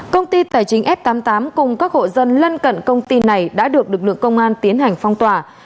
công ty tài chính f tám mươi tám cùng các hộ dân lân cận công ty này đã được lực lượng công an tiến hành phong tỏa